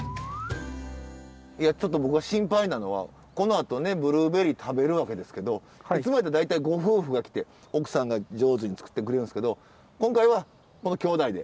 いやちょっと僕が心配なのはこのあとねブルーベリー食べるわけですけどいつもやったら大体ご夫婦が来て奥さんが上手に作ってくれるんですけど今回はこの兄弟で？